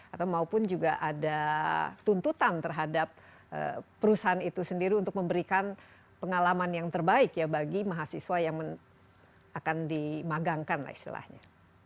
atau maupun juga ada tuntutan terhadap perusahaan itu sendiri untuk memberikan pengalaman yang terbaik ya bagi mahasiswa yang akan dimagangkan lah istilahnya